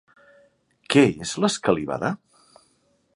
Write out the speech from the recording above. Què és l'escalivada?